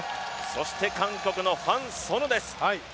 そして韓国のファン・ソヌです。